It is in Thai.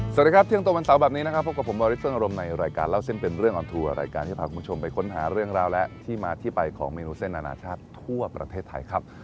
สวัสดีครับเที่ยงตรงวันเสาร์แบบนี้นะครับพบกับผมวาริสเฟิงอารมณ์ในรายการเล่าเส้นเป็นเรื่องออนทัวร์รายการที่พาคุณผู้ชมไปค้นหาเรื่องราวและที่มาที่ไปของเมนูเส้นอนาชาติทั่วประเทศไทยครับ